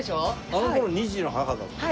あの頃２児の母だった？